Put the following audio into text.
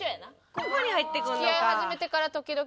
ここに入ってくるのか。